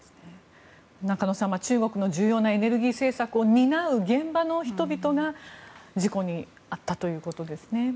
中野さん、中国の重要なエネルギー政策を担う現場の人々が事故に遭ったということです。